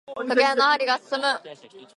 時計の針が進む。